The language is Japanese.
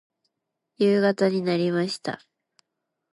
夕方になりました。